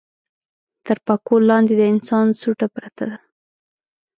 تر پکول لاندې د انسان سوټه پرته ده.